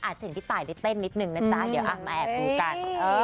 เจ็ดนิดนึงอะจ๊ะเดี๋ยวอะมาแอบดูกัน